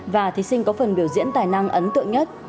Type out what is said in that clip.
và thí sinh có phần biểu diễn tài năng ấn tượng nhất